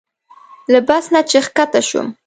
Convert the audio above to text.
له بس نه چې ښکته شوم.